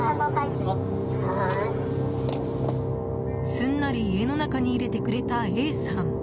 すんなり家の中に入れてくれたＡさん。